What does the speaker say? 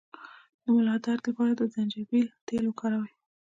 د ملا درد لپاره د زنجبیل تېل وکاروئ